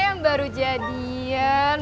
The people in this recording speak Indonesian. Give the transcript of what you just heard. yang baru jadian